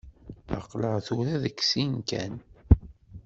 Aql-aɣ tura deg sin kan.